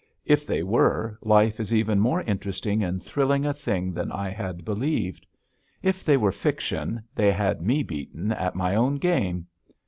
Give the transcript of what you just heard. If they were, life is even more interesting and thrilling a thing than I had believed. If they were fiction, they had me beaten at my own game.